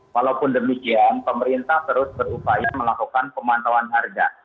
walaupun demikian pemerintah terus berupaya melakukan pemantauan harga